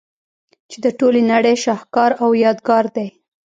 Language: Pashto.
چي د ټولي نړۍ شهکار او يادګار دئ.